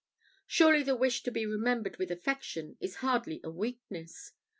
Surely the wish to be remembered with affection is hardly a weakness.